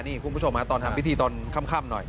นี่คุณผู้ชมตอนทำพิธีตอนค่ำหน่อย